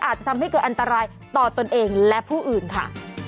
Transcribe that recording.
อาจจะทำให้เกิดอันตรายต่อตนเองและผู้อื่นค่ะ